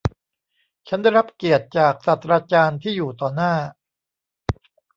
ฉันได้รับเกียรติจากศาสตราจารย์ที่อยู่ต่อหน้า